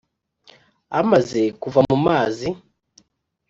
Amaze kuva mu mazi